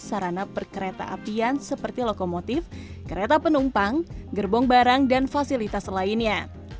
sarana perkereta apian seperti lokomotif kereta penumpang gerbong barang dan fasilitas lainnya